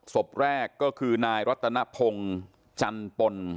ศพแรกก็คือนายรัตนพงศ์จันปน